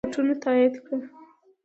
رپوټونو تایید کړه.